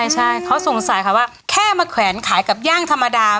ใช่เขาสงสัยค่ะว่าแค่มาแขวนขายกับย่างธรรมดา